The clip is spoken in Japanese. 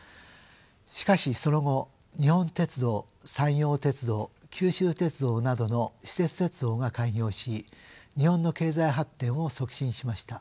しかしその後日本鉄道山陽鉄道九州鉄道などの私設鉄道が開業し日本の経済発展を促進しました。